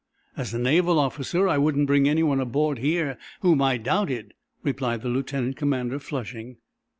"As a naval officer I wouldn't bring anyone aboard here whom I doubted," replied the lieutenant commander, flushing.